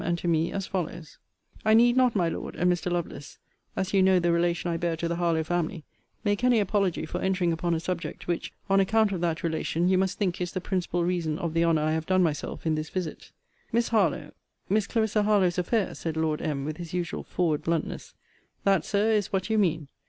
and to me, as follows: I need not, my Lord, and Mr. Lovelace, as you know the relation I bear to the Harlowe family, make any apology for entering upon a subject, which, on account of that relation, you must think is the principal reason of the honour I have done myself in this visit. Miss Harlowe, Miss Clarissa Harlowe's affair, said Lord M. with his usual forward bluntness. That, Sir, is what you mean.